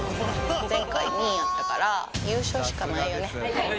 前回２位やったから、優勝しかないよね。